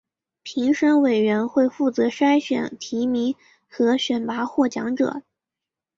评审委员会负责筛选提名和选拔获奖者。